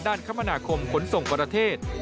คมนาคมขนส่งประเทศ